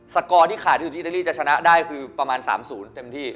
กอร์ที่ขาดอยู่ที่อิตาลีจะชนะได้คือประมาณ๓๐เต็มที่